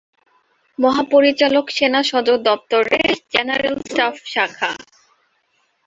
মহাপরিচালক সেনা সদর দফতরে জেনারেল স্টাফ শাখা।